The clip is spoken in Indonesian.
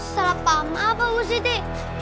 salah paham apa ibu siti